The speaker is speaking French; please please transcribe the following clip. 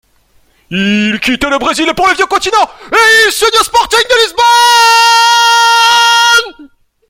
Il quitte le Brésil pour le Vieux Continent et signe au Sporting Lisbonne.